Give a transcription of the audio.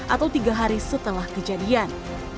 atau tiga hari setelah kejadian